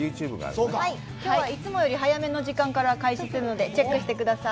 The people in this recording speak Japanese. きょうは、いつもより早めの時間から開始するのでチェックしてください。